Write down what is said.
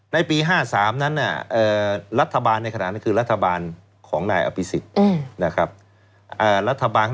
ในปี๕๓นั้นรัฐบาลในขณะนั้นคือรัฐบาลของนายอภิษฎนะครับ